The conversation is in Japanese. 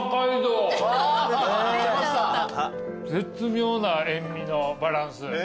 絶妙な塩味のバランス。